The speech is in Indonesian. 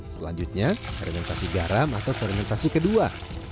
selanjutnya fermentasi garam atau fermentasi kedua